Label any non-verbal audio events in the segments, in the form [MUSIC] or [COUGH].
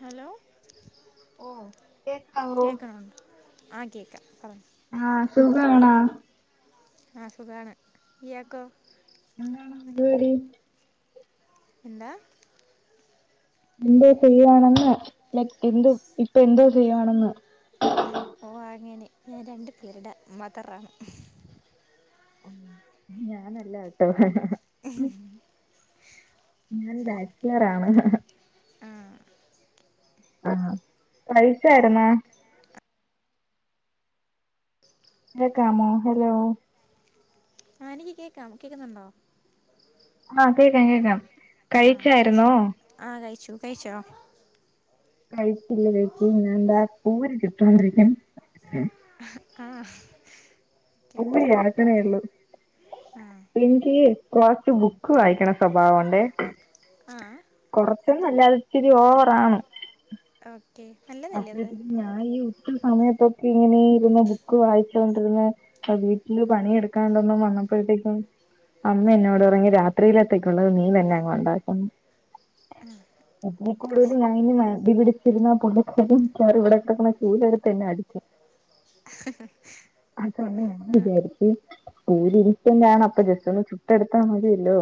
Hello കേക്കാണ് ആ കേൾക്കാം പറഞ്ഞോ ആഹ് സുഖാണോ ആഹ് സുഖാണ് ഇയാക്കോ എന്താണ് പരുപാടി എന്താ എന്തോ ചെയ്യുവാണെന്ന് ലൈക് എന്തോ ഇപ്പൊ എന്തോ ചെയ്യോവാണെന്ന് ഓഹ് അങ്ങനെ ഞാൻ രണ്ട് പേരുടെ മദറാ ഞാനല്ലാട്ടോ ഞാൻ ബാച്ചിലറാണ് ആ ആഹ് കഴിച്ചാരുന്നോ കേക്കാമോ ഹലോ ആ എനിക്ക് കേക്കാം കേക്കുന്നുണ്ടോ ആഹ് കേക്കാം കേൾക്കാം കഴിച്ചായിരുന്നോ ആഹ് കഴിച്ചു കഴിച്ചോ കഴിച്ചില്ല ചേച്ചി ഞാനിതാ പൂരി ചുട്ടോണ്ടിരിക്കാണ് ആഹ് കുമ്മിണി അടുക്കളേ ഉള്ളു ആ എനിക്ക് കുറച്ച് ബുക്ക് വായിക്കണ സ്വഭാവമുണ്ടേ ആ കുറച്ചൊന്നല്ല ഇച്ചിരി ഓവർ ആണ് ഓക്കെ നൽ അറ്റലിസ്റ്റ് ഞാൻ ഈ ഉച്ച സമയത്തൊക്കെ ഇങ്ങനെ ഇരുന്ന് ബുക്ക് വായിച്ചോണ്ടിരുന്നേ വീട്ടില് പണിയെടുക്കാനൊന്നും വന്നപ്പോഴത്തേക്കും അമ്മ എന്നോട് പറഞ്ഞു രാത്രിയിലത്തേക്കുള്ളത് നീ തന്നെ അങ്ങ് ഉണ്ടാക്കെന്ന് ഇതിൽ കൂടുതൽ കുറച്ച്. ഞാനിനി മടി പിടിച്ചു ഇരുന്നാൽ പുള്ളി ഇവിടെക്കിടക്കണ ചൂൽ എടുത്തെന്നെ അടിക്കും ഹ് ഹ് അത് കൊണ്ട് ഞാൻ വിചാരിച്ചു ഒരു ഇരുപ്പിന് ഞാൻ ഒക്കെ ജസ്റ്റ്‌ ഒന്ന് ചുട്ടെടുത്താൽ മതിയല്ലോ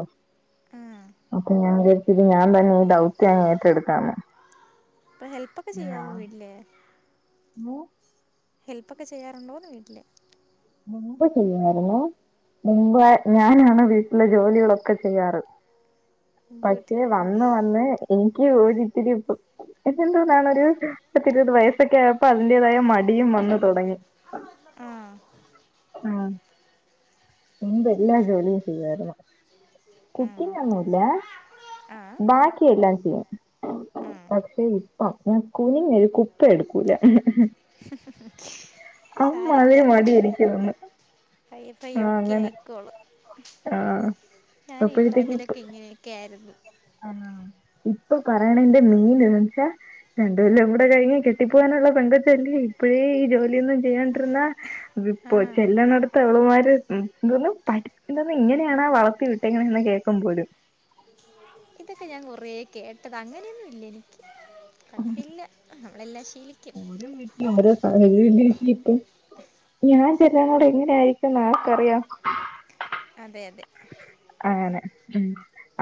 ആ അപ്പൊ ഞാൻ വിചാരിച്ചു ഞാൻ തന്നെ ഈ ദൗത്യം അങ്ങ് ഏറ്റെടുക്കാമെന്ന് ക്കെ ചെയ്യാവോ വീട്ടില് മ് ഹെൽപ്പൊക്കെ ചെയ്യാണ്ടോന്ന് വീട്ടില് മുമ്പ് ചെയ്യുമായിരുന്നു മുമ്പ് ഞാനാണ് വീട്ടിലെ ജോലികളൊക്കെ ചെയ്യാറ് ഗുഡ് പക്ഷെ വന്ന് വന്ന് എനിക്ക് ഒരിത്തിരി എന്നിരുന്നോണ്ടാണ് ഒരു പത്തിരുപതു വയസൊക്കെ ആയപ്പോ അതിന്റേതായ മടിയും വന്ന് തുടങ്ങി ആഹ് ഉം മുമ്പ് എല്ലാ ഉം. ജോലിയും ചെയ്യു മായിരുന്നു. ആ കുക്കിംഗ് ഒന്നുംല്ല ആ ബാക്കി എല്ലാം ചെയ്യും. ആ പക്ഷെ ഇപ്പം ഞാൻ കുനിഞ്ഞൊരു കുപ്പി എടുക്കൂല. ഹ് അമ്മ അതെ മടി ഒരുക്കി തന്നു. പയ്യെ പയ്യെ ഓക്കെ ആയിക്കോളും. ആഹ് ഞാൻ ഈ പ്രായത്തിലൊക്കെ ഇങ്ങനെ. കേരന്നു ആ ഇപ്പൊ പറയണന്റെ മീൻ എന്ന് വെച്ചാ രണ്ടുകൊല്ലം കൂടി കഴിഞ്ഞാൽ കെട്ടിപ്പോകാനുള്ള പെൺകൊച്ചല്ലേ ഇപ്പഴേ ഈ ജോലിയൊന്നും ചെയ്യാണ്ടിരുന്നാൽ. ആ ഇതിപ്പോ ചെല്ലുണോടത്ത് അവള്മാര് എഎന്തോന്നാ പഠി എന്തോന്നാ ഇങ്ങനെയാണോ വളർത്തി വിട്ടേക്കുന്നെ കേക്കും പോലും. അതൊക്കെ ഞാൻ കുറേ കേട്ടത അങ്ങനെയൊന്നുല്ല എനിക്ക് കട്ടില്ല നമ്മളെല്ലാം ശീലിക്കും. ഓരോ വീട്ടിലും ഓരോ സാഹചര്യല്ലേ ഇപ്പം. ഞാൻ ചെല്ലാനോടം എങ്ങനെ ആയിരിക്കും ന്ന് ആർക്കറിയാം. അതെ അതെ അങ്ങനെ ഉം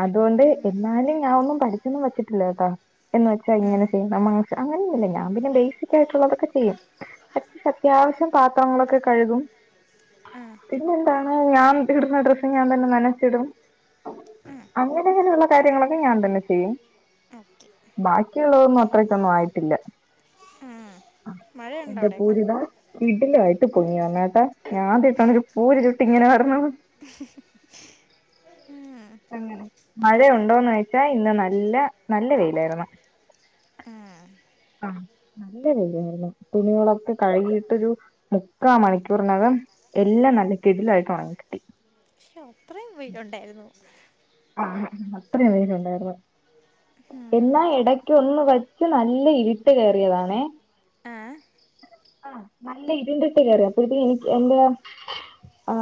അതുകൊണ്ട് ഉം, എന്നാലും ഞാൻ ഒന്നും പഠിച്ചൊന്നും വെച്ചിട്ടില്ല കേട്ടോ. എന്ന് വെച്ചാൽ ഉം, ഇങ്ങനെ ചെയ്യും [UNINTELLIGIBLE] അങ്ങനെയൊന്നുല്ല ഞാൻ പിന്നെ ബേസിക് ആയിട്ടുള്ളതൊക്കെ ചെയ്യും. കുറച്ചു അത്യാവശ്യം പാത്രങ്ങളൊക്കെ കഴുകും. ആ, പിന്നെ എന്താണ് ഞാൻ ഇടുന്ന ഡ്രസ് ഞാൻ തന്നെ നന ച്ചിടും ഉം, അങ്ങനെ ഇങ്ങനെയുള്ള കാര്യങ്ങളൊക്കെ ഞാൻ തന്നെ ചെയ്യും. ഓക്കെ ബാക്കിയുള്ളതൊന്നും അത്രയ്ക്കൊന്നും ആയിട്ടില്ല. ഉം. മഴയുണ്ടോ എന്റെ അവിടെയൊക്കെ ഭൂരിഭാ കിടിലം ആയിട്ട് പൊങ്ങി വന്നേട്ടാ ഞാ ആദ്യായിട്ടാണ് ഒരു പൂരി ചുട്ട് ഇങ്ങനെ വരണത്. [UNINTELLIGIBLE] അങ്ങനെ മഴ ഉണ്ടോന്ന് ചോയിച്ച ഇന്ന് നല്ല നല്ല വെയിലായിരുന്നു. ഉം. ആഹ നല്ല വെയിലായിരുന്നു. തുണികളൊക്കെ കഴുകിട്ടൊരു മുക്കാ മണിക്കൂറിനകം എല്ലാം നല്ല കിടിലായിട്ട് ഉണങ്ങി കിട്ടി. അത്രെയും വെയിലുണ്ടായിരുന്നോ? ആഹ് അത്രെയും വെയില് ഉണ്ടായിരുന്നു. ഉം. എല്ലാ ഇടക്ക് ഒന്ന് വച്ച് നല്ല ഇരുട്ട് കേറിയതാണേ. ആഹ് ആഹ് നല്ല ഇരുണ്ടിട്ട് കേറിയ അപ്പോഴത്തേക്ക് എനിക്ക് എന്റെ ആ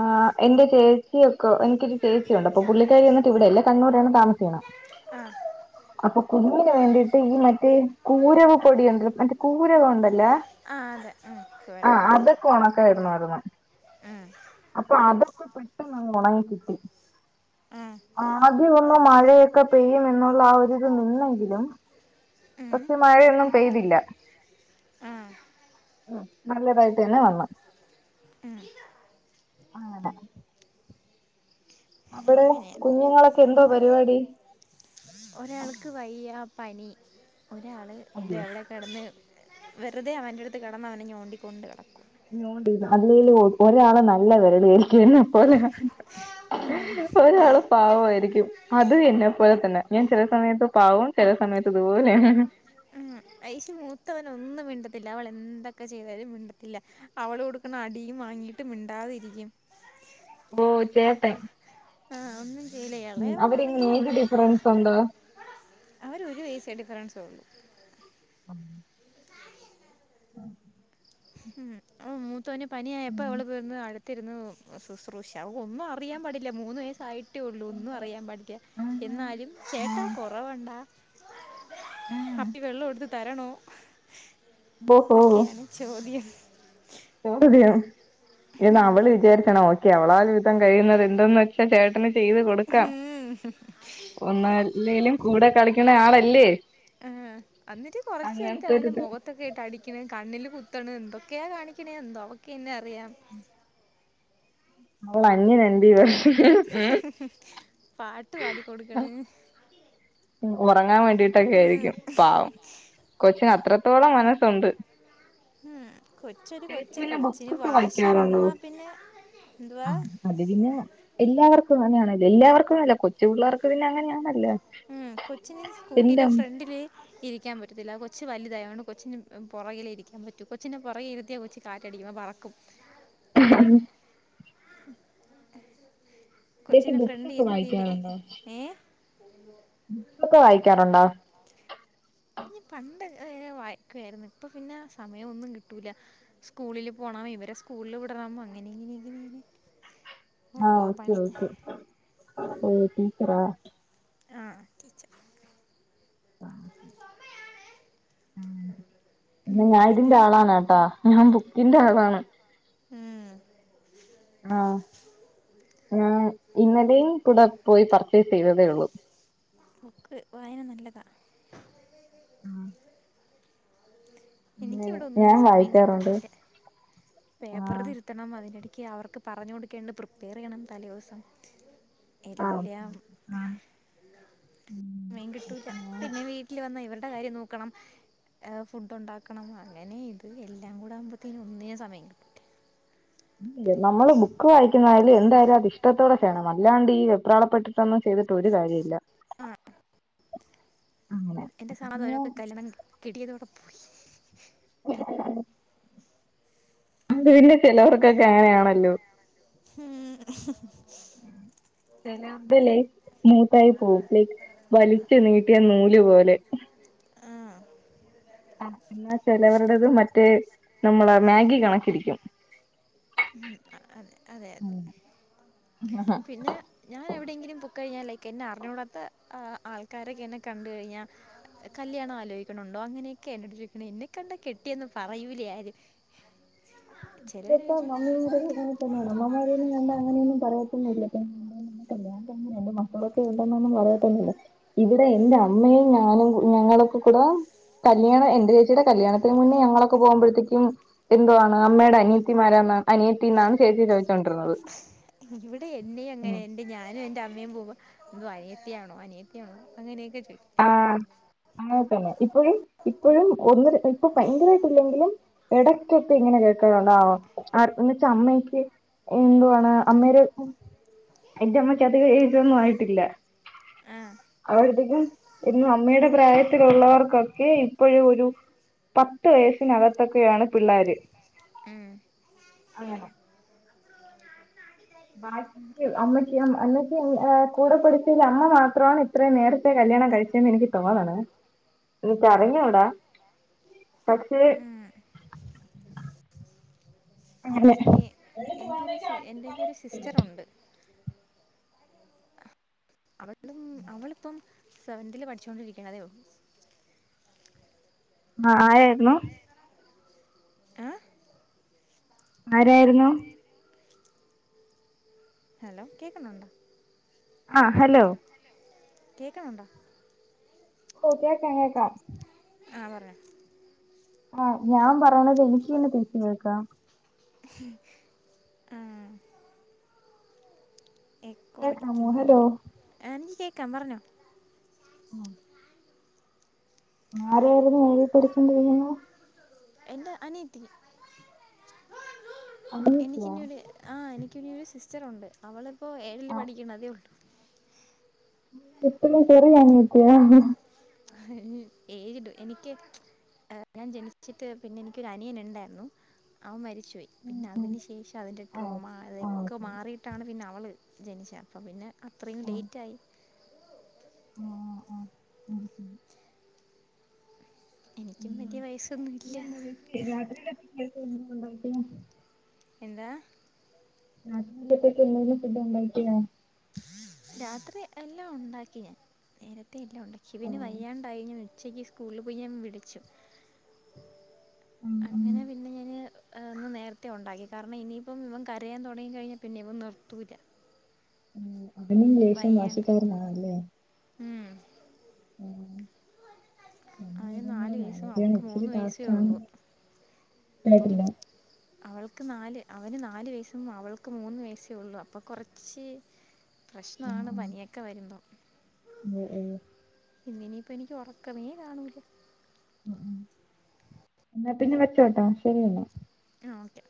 എന്റെ ചേച്ചിയൊക്കൊ എനിക്കൊരു ചേച്ചിയുണ്ട്, അപ്പൊ പുള്ളിക്കാരി ഒന്ന്. ചേച്ചി ഇവിടെയല്ല കണ്ണൂരാണ് താമസിക്കണ. ആ അപ്പൊ കുഞ്ഞിന് വേണ്ടിയിട്ട് ഈ മറ്റേ കൂരവ് പൊടിയ ഉണ്ടല്ലോ മറ്റേ കൂരകം ഉണ്ടല്ല. ആ അതെ ആഹ് കൂരകം ഉണക്കായിരുന്നായിരുന്നു മം ആ അപ്പൊ അതൊക്കെ പെട്ടെന്നങ്ങ് ഒണങ്ങികിട്ടി. ഉം, ഉം, ആദ്യം ഒന്ന് മഴയൊക്കെ പെയ്യും എന്നുള്ള ആ ഒരിത് നിന്നെങ്കിലും ഉം, പക്ഷെ മഴയൊന്നും പെയ്തില്ല. ആ, ഉം നല്ലതായിട്ട് തന്നെ വന്ന് ഉം അങ്ങനെ അവിടെ അങ്ങനെയാ കുഞ്ഞുങ്ങളൊക്കെ എന്തോ പരിപാടി ഒരാൾക്ക് വയ്യ പനി ഒരാള് അയ്യോ ന്റെ ഇള കിടന്ന് വെറുതെ അവൻ്റെ അടുത്ത് കിടന്ന് അവനെ ഞോണ്ടിക്കൊണ്ട് നോണ്ടി അല്ലേലും ഒരാളെ നല്ല വെരളിആയിരിക്കും എന്നപോലെ ഉം ഒരാള് പാവായിരിക്കും അത് എന്നെ പോലെ തന്നെ ഞാൻ ചില സമയത്ത് പാവം ചെല സമയത്ത് ഇത്പോലെയ ഐശ മൂത്തവന ഒന്നും മിണ്ടത്തില്ല അവള് എന്തൊക്കെ ചെയ്താലും മിണ്ടത്തില്ല അവളോട് കിട്ടുന്ന അടിയും വാങ്ങിയിട്ട് മിണ്ടാതിരിക്കും ബോ ചേർട്ടെ ആഹ ഒന്നും ചെയ്യില്ല അവരിങ്ങനെ ഇളയവളാണെങ്കി ഏജ് അവള് ഡിഫറൻസ് ഉണ്ടോ അവര് ഒരു വയസ്സേ ഡിഫറൻസേ ഉള്ളൂ ഉം ആഹ് ഉം അവൻ മൂത്തോന് പനിയായപ്പോ അവള് വന്ന് [UNINTELLIGIBLE] ത്തിരുന്ന് ശുശ്രൂഷ ഒന്നും അറിയാൻ പാടില്ല മൂന്ന് വയസ്സായി റ്റള്ളൂ ഒന്നു അറിയാൻ പാടില്ല എന്നാലും ചേട്ടാ കൊറവണ്ട അപ്പി വെള്ളടുത്ത് തരണോ ഓഹോ ഇതൊക്കെയാണ് ചോദ്യം [UNINTELLIGIBLE] ഇന്ന് അവള് വിചാരിച്ചണോ എവളാൽ വിധം കഴിയുന്നത് എന്തന്ന് വെച്ചാ ചേട്ടന് ചെയ്ത് കൊടുക്കാം [UNINTELLIGIBLE] ഒന്നല്ലേലും കൂടെ കളിക്കണ ആളല്ലേ ആഹ് അന്നിട്ട് കുറച്ചു നേരത്തെ അവന്റെ അങ്ങനത്തൊരിത് മുഖ ത്തൊക്കെ ഇട്ട് അടിക്കണ കണ്ണില് കുത്തണ് എന്തൊക്കെയാ കാണിക്കണേ എന്തോ അവക്കെന്നെ അറിയാം അവള്ടെ അനിയനല്ലിയോ പാട്ടു പാടിക്കൊടുക്കണ് ഉറങ്ങാൻ വേണ്ടിട്ടൊക്കെ ഉം. ആയിരിക്കും പാവം കൊച്ചിന് അത്രത്തോളം മനസ്സുണ്ട് ഉം കൊച്ച് ചേച്ചി കൊച്ച് പിന്നെ കൊച്ചിനി ബുക്കൊക്കെ വാശി വായിക്കാറുണ്ടോ വന്നാ പിന്നെ എന്തുവാ ആഹ് അത് പിന്നെ എല്ലാവർക്കും അങ്ങനെ അങ്ങനെയാണലോ എല്ലാവർക്കുംല്ല കൊച്ചു പിള്ളേർക്ക് പിന്നെ അങ്ങനെയാണല്ലേ കൊച്ചിന് സ്കൂട്ടിയുടെ ഫ്രണ്ടില് ഇരിക്കാൻ പറ്റത്തില്ല കൊച്ചു വലുതായ കൊണ്ട് കൊച്ചിന് പുറകിലെ ഇരിക്കാൻ പറ്റും കൊച്ചിെ പുറകെ ഇരുതിയൽ കൊച്ചി കാറ്റടിയുമ്പ പറക്കും [UNINTELLIGIBLE] [UNINTELLIGIBLE] ചേച്ചി കൊച്ചിനെ ഫ്രണ്ട് ബുക്സൊക്കെ ഇരുത്തിയിട്ട് വായിക്കാറുണ്ടോ ഏ ബുക്സ്ക്കെ വായിക്കാറുണ്ടോ ഇൻ പണ്ട് വായിക്കുയായിരുന്നു ഇപ്പൊ പിന്നെ സമയോന്നും കിട്ടൂല സ്കൂളിൽ പോണം ഇവരെ സ്കൂളിൽ വിടണം അങ്ങനെ ഇങ്ങനെയ ആഹ ഓക്കെ ഓക്കെ ഓ തീച്ചറ ആഹ ടീച ആഹ എന്ന ഞാൻ ഇതിന്റെ പിന്നെന്താ ആളാണ്ട്ടാ ഞാൻ ബുക്കിൻന്റെ ആളാണ് ഹം ആ ഇന്നലെയും കൂടെ പോയി പർച്ചേസ് ചെയ്തതേ ഉള്ളൂ ബുക്ക് വായന നല്ലതാണ് ഉം അങ്ങനെ എനിക്കിവിടെ ഞാൻ ഒന്ന സമയം വായിക്കാറുണ്ട് കിട്ടട്ടില്ലേ പേപ്പർ ആഹ് തിരുത്തണം അതിനിടക്ക് അവർക്ക് പറഞ്ഞു കൊടുക്കണ്ട് പ്രിപ്പയർ ചെയ്യണം തലേ ദിവസം ആഹ് എല്ലാം ആഹ് മീൻ കിട്ടൂല പിന്നെ വീ വീട്ടിൽ വന്ന ഇവരുടെ കാര്യം നോക്കണം ഫുഡ് ഉണ്ടാക്കണം അങ്ങനെ ഇത് എല്ലാം കൂടെ ആകുമ്പോത്തേനും ഒന്നിനും സമയം കിട്ടില്ല നമ്മള് ബുക്ക് വായിക്കുന്ന ആയാലും എന്തായാലും അതിഷ്ടം ഇഷ്ടത്തോടെ ചെയ്യണം അല്ലാണ്ട് ഈ വെപ്രാളപ്പെട്ടിട്ടൊന്നും ചെയ്തിട്ട് ഒരു കാര്യം ഇില്ല [INAUDIBLE] എന്റെ [UNINTELLIGIBLE] കല്യാണം കിടിയതോടെ പോയി അത് പിന്നെ ചിലവർക്കൊക്കെ അങ്ങനെയാണല്ലോ ഹും.. [UNINTELLIGIBLE] മൂത്തായി പോവും ലൈക്ക് വലിച്ചു നീട്ടിയ നൂല് പോലെ ആ, ആ എന്നാ ചിലവരുടത് മറ്റേ നമ്മളെ മാഗി കണക്കിരിക്കും അ അതെ അതെ ആ ആ പിന്നെ ഞാൻ എവിടെയെങ്കിലും പോക്ക കഴിഞ്ഞാൽ ലൈക്ക് എന്നെ അറിഞ്ഞുകൂടാത്ത ആൾക്കാരൊക്കെ എന്നെ കണ്ട് കഴിഞ്ഞാൽ കല്യാണം ആലോചിക്കണണ്ടോ അങ്ങനെയൊക്കെ എന്നോടു ചോയ്ക്ണെ എന്നെ കണ്ട കെട്ടിയന്ന് പറയൂലേ ആരും ആഹ ചിലവർ ഇപ്പ ചോദിച്ചു മമ്മി അ അമ്മമാരിന്നും കണ്ടാ അങ്ങനെയൊന്നും പറയൊന്നുമില്ലെ മക്കളൊക്കെ ഉണ്ടെന്നൊന്നും പറയത്തന്നില്ല ഇവിടെ എന്റെ അമ്മയും ഞാനും കു ങ്ങളൊക്ക കൂടെ കല്യാണം എന്റെ ചേച്ചിയുടെ കല്യാണത്തിന് മുന്നേ ഞങ്ങളൊക്കെ പോകുമ്പഴത്തേക്കും എന്തുവാ അമ്മയുടെ അനിയത്തിമാര അനിയത്തി എന്നാണ് ചേച്ചി ചോദിച്ചോണ്ടിരുന്നത് ഇവിടെ എന്നെ അങ്ങനെ യെ അ ഞാനും എൻ്റെ അമ്മയും പോകുമ്പം എന്തും അനിയത്തിയാണോ അനിയത്തിയാണോ അങ്ങനെയൊക്കെ ചോദിക്കും ആഹ അതെ തന്നെ ഇപ്പഴും ഇപ്പോഴും ഒന്ന ഇപ്പൊ ഭയങ്കരമായിട്ട്ല്ലെങ്കിലും ഇടയ്ക്കൊക്കെ ഇങ്ങനെ കേൾക്കണുണ്ടാവോ എന്നച്ചമ്മയ്ക്ക് എന്തുവാണ് അമ്മേര് എന്റെമ്മക്ക് അതിക എജൊന്നും ആയിട്ടില്ല ആ അവരധികം ഇന്ന് അമ്മയുടെ പ്രായത്തിലുള്ളവർക്കൊക്കെ ഇപ്പോഴും ഒരു പത്ത് വയസിനകത്തൊക്കെയാണ് പിള്ളാര് ഉം അങ്ങനെ ആര് അമ്മക്ക് അമ്മക്ക കൂടെ പഠിച്ചതിൽ അമ്മ മാത്രമാണ് ഇത്രയും നേരത്തെ കല്യാണം കഴിച്ചന്ന് എനിക്ക് തോന്നണെ ഓ എനിക്കറിഞ്ഞൂടാ പക്ഷെ ഉം എനിക്കിനി എനിക്കൊരു എൻ്റെ ക്കെ ഒരു സിസ്റ്ററുണ്ട് അവളും അവളിപ്പം സെവന് തിൽ പഠിച്ചുകൊണ്ടിരിക്കണ ഉള്ളൂ ആഹ് ആയിരുന്നു ഏ ആരായിരുന്നു ഹലോ കേൾക്കുന്നുണ്ടോ ആഹ് ഹലോ കേൾക്കുണുണ്ടോ [UNINTELLIGIBLE] ആഹ് പറഞ്ഞോ ആഹ് ഞാൻ പറയണത് എനിക്ക് തന്നെ തിരിച്ചു കേൾക്കാം ഉം കേൾക്കാമോ ഹലോ എക്കോടിക്കുന്നുണ്ടോ എനിക്ക് കേക്കാം പറഞ്ഞോ. ഉം. ആരായിരുന്നു എഴുതിപ്പടിച്ചൊണ്ടിരിക്കുന്നേ? എന്റെ അനീയത്തി. എനിക്ക് അനിയത്തിയാ ഇനിരു ആഹ് എനിക്കിനരു സിസ്റ്ററുണ്ട് അവളിപ്പോൾ ഏഴില് പഠിക്കണതേള്ളൂ. ഇത്രേയും ചെറിയാനിയത്ത്യോ. ഏഴീല് എനിക്ക് ആഹ് ഞാൻ ജനിച്ചിട്ട് പിന്നെ എനിക്കൊരു അനിയൻ ഉണ്ടായിരുന്നു അവൻ മരിച്ചുപോയി. പിന്നെ അതിന് ശേഷം അതിൻ്റെ ആ ട്രോമ ആ അതൊക്കെ ഓക്കെ മാറിയിട്ടാണ് പിന്നെ അവള് ജനിച്ചേ അപ്പോം പിന്നെ അത്രയും ലേറ്റായി. ആഹ് ആഹ് ആഹ് ശ എനിക്കും വലിയ വയസ്സൊന്നുല്ല. രാത്രിയുടെണ്ട [UNINTELLIGIBLE] എന്താ? രാത്രിനേക്ക്ന്തേലും ഫുഡ് ഒണ്ടാക്കിനോ? രാത്രി എല്ലാം ഒണ്ടാക്കി ഞാൻ നേരത്തെ എല്ലാം ഉണ്ടാക്കിവന് വയ്യാണ്ടായിഞ്ഞു ഉച്ചക്ക് സ്കൂളിൽ പോയി ഞാൻ വിളിച്ചു ഉം ഉം അങ്ങനെ പിന്നെ ഞാന് ന്ന് നേരത്തെ ഉണ്ടാക്കി കാരണം ഇനിയിപ്പം ഇവൻ കരയാൻ തൊടങ്ങി കഴിഞ്ഞാൽ പിന്നെ ഇവം നിർത്തൂല്ല. അവനും ലേശം വാശിക്കാരനാണല്ലേ? ഉം. ഉം അവന് രണ്ട്പേരേംകൂടെ നാല് വയസ്സും മാനേജണ് അവൾക്ക് മൂന്ന് ഇച്ചരി വയസ്സേ ടാസ്ക്കാണ്. ഉള്ളൂ അപ്പം അവൾക്ക് നാല് അവന് നാല് വയസ്സും അവൾക്ക് മൂന്ന് വയസ്സേ ഉള്ളു അപ്പ കൊറച്ച് ഉം പ്രശ്നാണ് പനിയൊക്കെ വരുമ്പം- ഉം ഉം ഇന്നിനിയിപ്പം എനിക്ക് ഒറക്കമേ കാണൂല്ല. ഉം ഉം എന്നാ പിന്നെ വെച്ചോട്ടോ ശരിയെന്ന. ആഹ് ഓക്കെ.